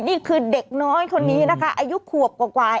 นี่คือเด็กน้อยคนนี้นะคะอายุขวบกว่า